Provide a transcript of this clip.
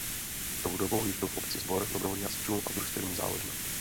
Tou dobou již byl v obci sbor dobrovolných hasičů a družstevní záložna.